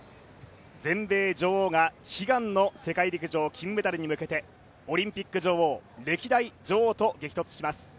全米女王が悲願の世界陸上金メダルに向けてオリンピック女王歴代女王と激突します。